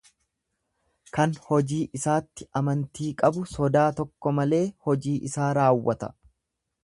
Kan hojii isaatti amantii qabu sodaa tokko malee hojii isaa raawwata.